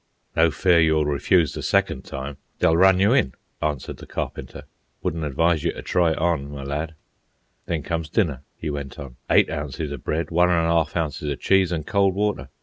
"No fear you'll refuse the second time; they'll run you in," answered the Carpenter. "Wouldn't advise you to try it on, my lad." "Then comes dinner," he went on. "Eight ounces of bread, one and a arf ounces of cheese, an' cold water.